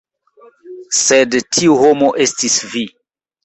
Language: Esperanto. Sed tiu homo estis vi.